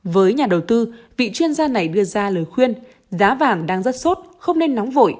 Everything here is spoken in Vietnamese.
với nhà đầu tư vị chuyên gia này đưa ra lời khuyên giá vàng đang rất sốt không nên nóng vội